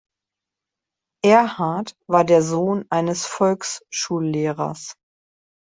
Erhard war der Sohn eines Volksschullehrers.